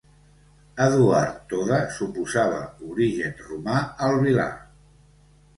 Eduard Toda suposava origen romà al Vilar.